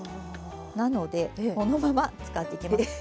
なのでこのまま使っていきます。